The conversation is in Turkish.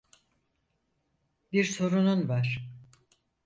Bir sorunun var.